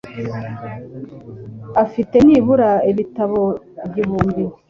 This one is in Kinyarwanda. Afite nibura ibitabo igihumbi.